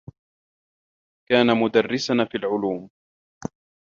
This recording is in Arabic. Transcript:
كان مدرّسنا في العلوم.